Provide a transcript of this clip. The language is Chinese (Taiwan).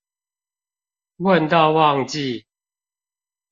問到忘記